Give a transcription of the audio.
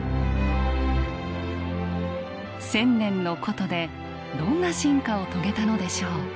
千年の古都でどんな進化を遂げたのでしょう。